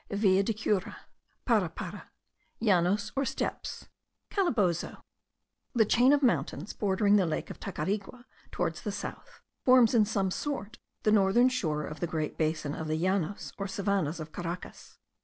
VILLA DE CURA. PARAPARA. LLANOS OR STEPPES. CALABOZO. The chain of mountains, bordering the lake of Tacarigua towards the south, forms in some sort the northern shore of the great basin of the Llanos or savannahs of Caracas.